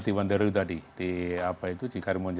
tiwantara itu tadi